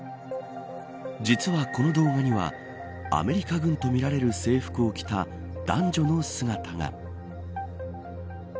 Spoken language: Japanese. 実は、この動画にはアメリカ軍とみられる制服を着た男女の姿が。